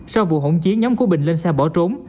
sau vụ hỗn chiến nhóm của bình lên xe bỏ trốn